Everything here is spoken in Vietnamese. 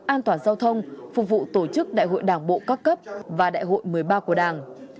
an toàn giao thông phục vụ tổ chức đại hội đảng bộ các cấp và đại hội một mươi ba của đảng